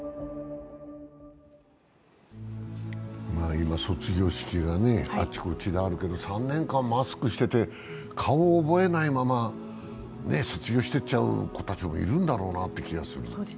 今、卒業式があちこちであるけど３年間マスクしてて、顔を覚えないまま卒業していっちゃう子たちもいるんだろうなという気がしちゃう。